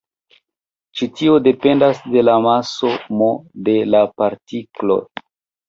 Ĉi tio dependas de la maso "m" de la partiklo.